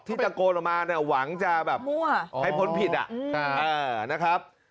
ที่ตะโกนออกมาหวังจะแบบให้พ้นผิดนะครับ